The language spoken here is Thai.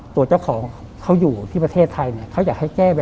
ต้องปรับ